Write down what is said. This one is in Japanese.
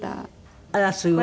あらすごい。